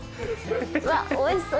うわっ美味しそう。